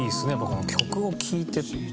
この曲を聴いて食べる。